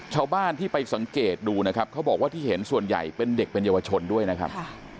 ชาวบ้านที่ไปสังเกตดูนะครับเขาบอกว่าที่เห็นส่วนใหญ่เป็นเด็กเป็นเยาวชนด้วยนะครับ